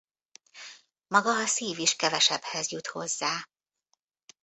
Maga a szív is kevesebbhez jut hozzá.